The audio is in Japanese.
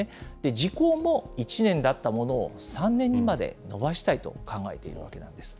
時効も１年だったものを３年にまで延ばしたいと考えているわけなんです。